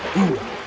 bisakah kau lakukan